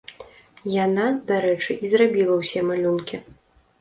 Яна, дарэчы, і зрабіла ўсе малюнкі.